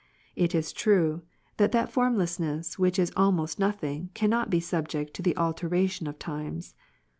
It is true, that that formlessness which is almost nothing, cannot be subject to the alteration of times.